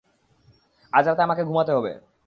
আজরাতে আমাকে ঘুমাতে হবে।